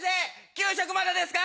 給食まだですか？